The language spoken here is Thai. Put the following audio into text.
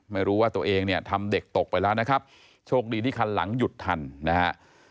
ไม่รู้ว่าตัวเองเนี่ยทำเด็กตกไปแล้วนะครับโชคดีที่คันหลังหยุดทันนะฮะ